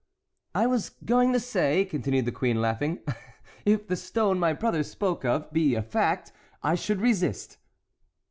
"I was going to say," continued the queen, laughing, "if the stone my brother spoke of be a fact, I should resist."